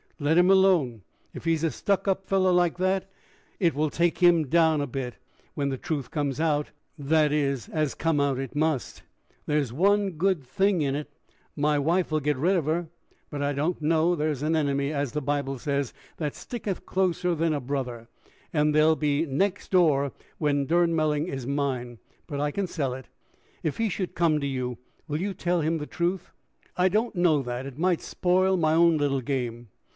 Let him alone. If he's a stuck up fellow like that, it will take him down a bit when the truth comes out, that is, as come out it must. There's one good thing in it, my wife'll get rid of her. But I don't know! there's an enemy, as the Bible says, that sticketh closer than a brother. And they'll be next door when Durnmelling is mine! But I can sell it." "If he should come to you, will you tell him the truth?" "I don't know that. It might spoil my own little game."